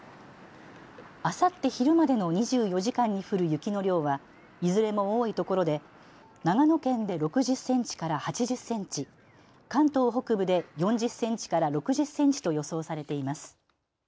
あさって昼までの２４時間に降る雪の量はいずれも多いところで長野県で６０センチから８０センチ、関東北部で４０センチから６０センチと予想されています。